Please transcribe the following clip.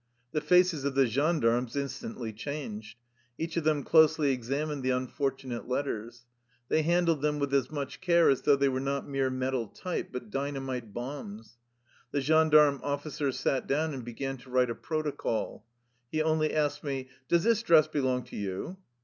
The faces of the gendarmes instantly changed. Each of them closely examined the unfortunate let* ters. They handled them with as much care as though they were not mere metal type, but dyna mite bombs. The gendarme of&cer sat down and began to write a protocol.^ He only asked me :" Does this dress belong to you?